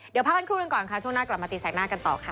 เดี๋ยวพักกันครู่หนึ่งก่อนค่ะช่วงหน้ากลับมาตีแสกหน้ากันต่อค่ะ